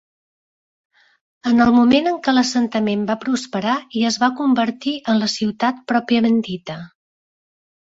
En el moment en què l'assentament va prosperar i es va convertir en la ciutat pròpiament dita.